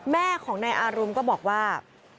แม่ของนายอารุมก็บอกว่า